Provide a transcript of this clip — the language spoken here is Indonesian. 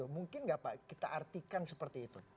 mungkin nggak pak kita artikan seperti itu